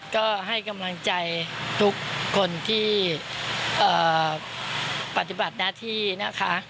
ก็ให้กำลังใจทุกคนที่ปฏิบัติหน้าที่นะคะ